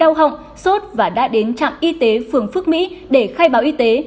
đau họng sốt và đã đến trạm y tế phường phước mỹ để khai báo y tế